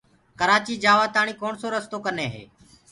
ڪرآچي جآوآ تآڻي ڪوڻسو رستو ڪني هي۔